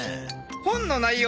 本の内容